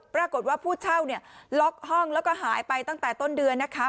ผู้เช่าเนี่ยล็อกห้องแล้วก็หายไปตั้งแต่ต้นเดือนนะคะ